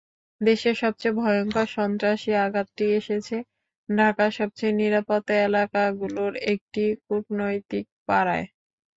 দেশের সবচেয়ে ভয়ংকর সন্ত্রাসী আঘাতটি এসেছে ঢাকার সবচেয়ে নিরাপদ এলাকাগুলোর একটি কূটনৈতিক পাড়ায়।